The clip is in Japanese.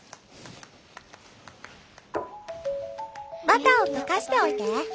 バターを溶かしておいて。